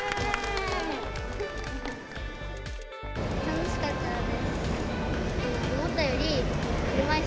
楽しかったです。